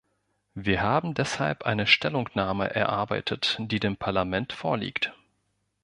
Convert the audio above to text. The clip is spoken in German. Wir haben deshalb eine Stellungnahme erarbeitet, die dem Parlament vorliegt.